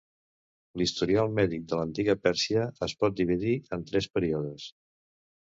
L'historial mèdic de l'antiga Pèrsia es pot dividir en tres períodes.